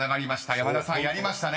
山田さんやりましたね］